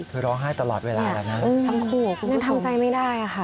คือร้องไห้ตลอดเวลาแล้วนะครับคุณผู้ชมทำใจไม่ได้ค่ะ